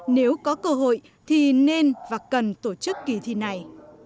nếu có cơ hội thì nên và cần tổ chức kỳ thi này